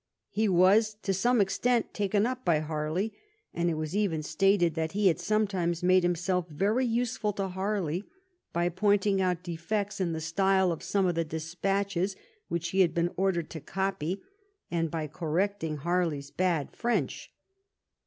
He was to some extent taken up by Harley, and it was even stated that he had sometimes made himself very useful to Harley by pointing out defects in the style of some of the despatches which he had been ordered to copy, and by correcting Harley's bad French.